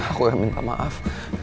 aku yang minta maaf